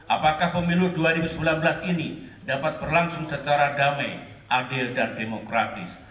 apakah pemilu dua ribu sembilan belas ini dapat berlangsung secara damai adil dan demokratis